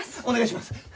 お願いします！